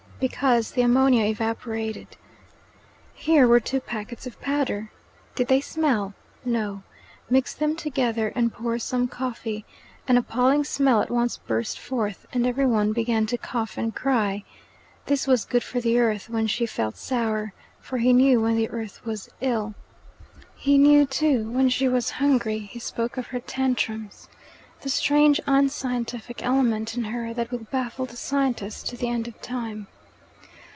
Because the ammonia evaporated. Here were two packets of powder. Did they smell? No. Mix them together and pour some coffee An appalling smell at once burst forth, and every one began to cough and cry. This was good for the earth when she felt sour, for he knew when the earth was ill. He knew, too, when she was hungry he spoke of her tantrums the strange unscientific element in her that will baffle the scientist to the end of time.